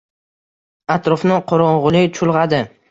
Atrofni qorong‘ulik chulg‘adi.